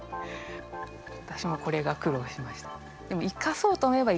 わたしもこれが苦労しました。